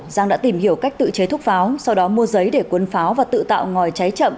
giang đã tìm hiểu cách tự chế thuốc pháo sau đó mua giấy để cuốn pháo và tự tạo ngòi cháy chậm